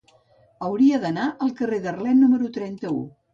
Hauria d'anar al carrer d'Arlet número trenta-u.